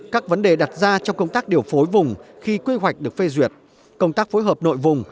các vấn đề đặt ra trong công tác điều phối vùng khi quy hoạch được phê duyệt công tác phối hợp nội vùng